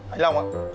anh long ạ